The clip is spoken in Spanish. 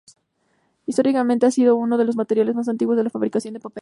Históricamente ha sido uno de los materiales más antiguos en la fabricación de papel.